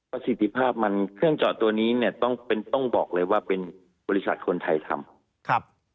สิทธิภาพมันเครื่องจอดตัวนี้เนี่ยต้องบอกเลยว่าเป็นบริษัทคนไทยทำ